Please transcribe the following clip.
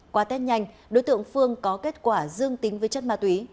qua tết nhanh đối tượng phương có kết quả dương tính với chất ma túy